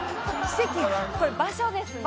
これ場所ですね。